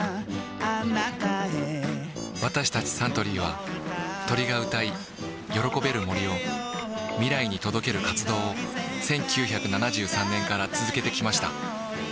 私たちサントリーは鳥が歌い喜べる森を未来に届ける活動を１９７３年から続けてきました